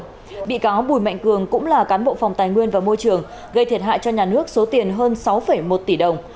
các bị cáo bùi mạnh cường cũng là cán bộ phòng tài nguyên và môi trường gây thiệt hại cho nhà nước số tiền hơn sáu một tỷ đồng